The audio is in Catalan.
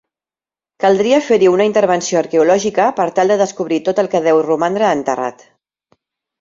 Caldria fer-hi una intervenció arqueològica per tal de descobrir tot el que deu romandre enterrat.